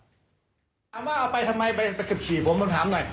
ถามว่าเอาไปทำไมชิดผมผมถามหน่อย